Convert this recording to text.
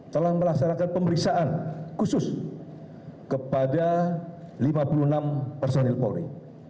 telah melaksanakan pemeriksaan khusus kepada lima puluh enam personil polri